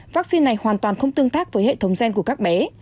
vaccine này hoàn toàn không tương tác với hệ thống gen của các bé